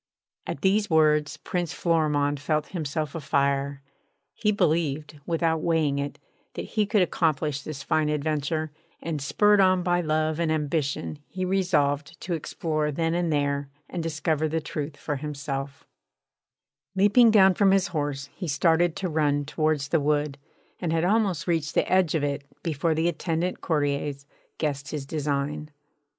At these words Prince Florimond felt himself a fire. He believed, without weighing it, that he could accomplish this fine adventure; and, spurred on by love and ambition, he resolved to explore then and there and discover the truth for himself. [Illustration: They grew until nothing but the tops of the castle towers could be seen.] Leaping down from his horse he started to run towards the wood, and had almost reached the edge of it before the attendant courtiers guessed his design.